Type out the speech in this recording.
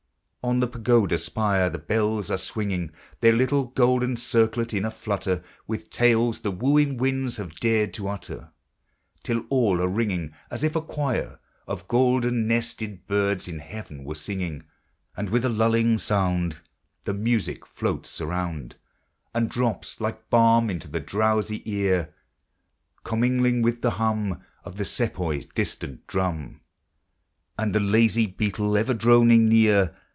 On the pagoda spire The bells are swinging, Their little golden circlet in a flutter With tales the wooing winds have dared to utter, Till all are ringing, As if a choir Of golden nested birds in heaven were singing, And with a lulling sound The music floats around, And drops like balm into the drowsy ear; Commingling with the hum Of the Sepoy's distant drum, And lazy beetle ever droning near.